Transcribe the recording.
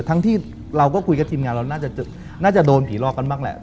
ทั้งที่เราก็คุยกับทีมงานเราน่าจะโดนผีหลอกกันบ้างแหละ